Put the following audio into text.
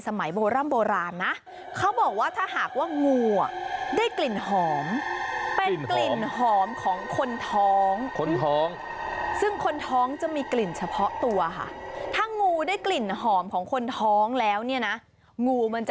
สมัยโบราณนะเขาบอกว่าถ้าหากว่างูได้กลิ่นหอมเป็นกลิ่น